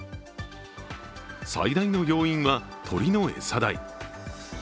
最大の要因は鶏の餌代。